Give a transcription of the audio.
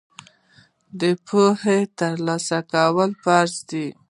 د پوهې ترلاسه کول فرض دي.